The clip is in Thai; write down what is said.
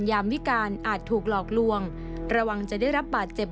ยามวิการอาจถูกหลอกลวงระวังจะได้รับบาดเจ็บ